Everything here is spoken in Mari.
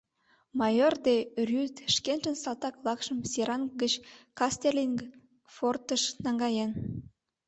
Майор де Рюйт шкенжын салтак-влакшым Серанг гыч Кастеллинг фортыш наҥгаен.